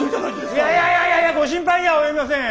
いやいやいやいやご心配には及びません。